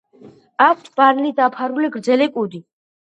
აქვთ ბალნით დაფარული გრძელი კუდი.